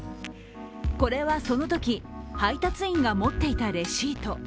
これはそのとき配達員が持っていたレシート。